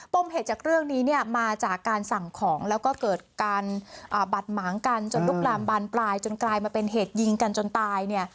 เหตุจากเรื่องนี้เนี่ยมาจากการสั่งของแล้วก็เกิดการบัดหมางกันจนลุกลามบานปลายจนกลายมาเป็นเหตุยิงกันจนตายเนี่ย